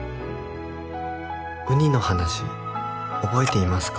「ウニの話覚えていますか？」